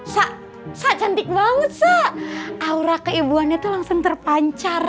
sa sa cantik banget sa aura keibuannya tuh langsung terpancar